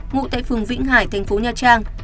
ngụ tại phường vĩnh hải thành phố nha trang